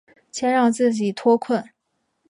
先让自己脱困